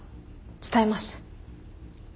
伝えます。